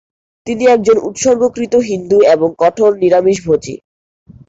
তিনি একজন উৎসর্গীকৃত হিন্দু এবং কঠোর নিরামিষভোজী।